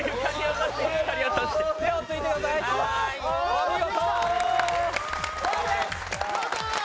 お見事！